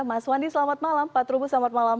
mas wandi selamat malam pak trubus selamat malam